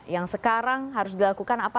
yang sekarang harus dilakukan apa